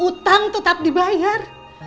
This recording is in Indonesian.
hutang tetap dibayar